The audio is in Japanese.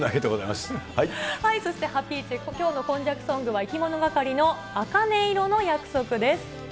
そしてハピイチ、きょうの今昔ソングはいきものがかりの茜色の約束です。